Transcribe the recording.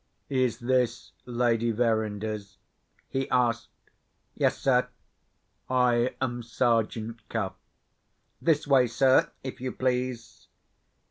"Is this Lady Verinder's?" he asked. "Yes, sir." "I am Sergeant Cuff." "This way, sir, if you please."